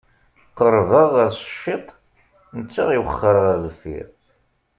Qerrbeɣ ɣer-s ciṭ, netta iwexxer ɣer deffir.